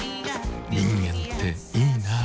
人間っていいナ。